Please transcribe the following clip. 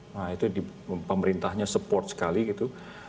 nah itu pemerintahnya support sekali gitu